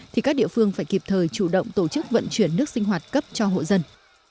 thì các địa phương phải kịp thời chủ động tổ chức vận chuyển nước sinh hoạt cấp cho hộ dân